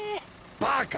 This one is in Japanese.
バカ！